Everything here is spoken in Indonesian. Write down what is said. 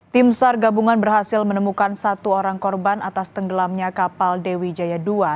tim sar gabungan berhasil menemukan satu orang korban atas tenggelamnya kapal dewi jaya dua